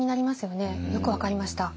よく分かりました。